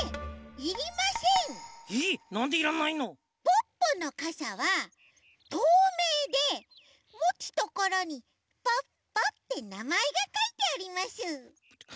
ポッポのかさはとうめいでもつところに「ポッポ」ってなまえがかいてあります。